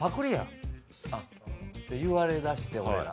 言われだして俺ら。